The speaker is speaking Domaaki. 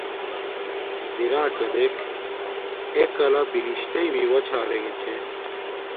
بِرݳںڅݳ دݵک، اݺ کلݳ بِہِشتݵئ مݵݸݳ چھݳ رݵݣݺ چھݺ.